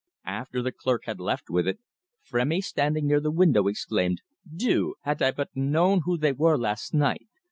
After the clerk had left with it, Frémy, standing near the window, exclaimed: "Dieu! Had I but known who they were last night!